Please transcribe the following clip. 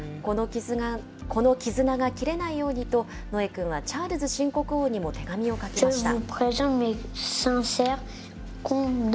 この絆が切れないようにと、ノエ君はチャールズ新国王にも手紙を書きました。